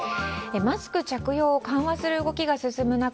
マスク着用を緩和する動きが進む中